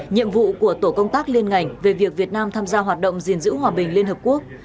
nhiệm vụ của tổ công tác liên ngành về việc việt nam tham gia hoạt động gìn giữ hòa bình liên hợp quốc